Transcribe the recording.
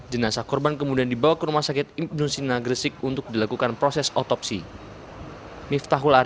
jenazah korban kemudian dibawa ke rumah sakit ibnu sina gresik untuk dilakukan proses otopsi